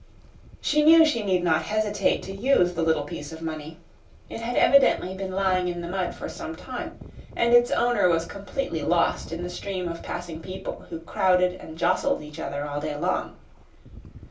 She knew she need not hesitate to use the little piece of money. It had evidently been lying in the mud for some time, and its owner was completely lost in the stream of passing people who crowded and jostled each other all day long.